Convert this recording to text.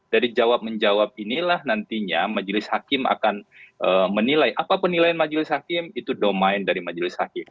dari jawab menjawab inilah nantinya majelis hakim akan menilai apa penilaian majelis hakim itu domain dari majelis hakim